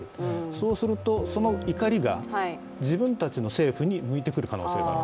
そうするとその怒りが自分たちの政府に向いてくる可能性がある。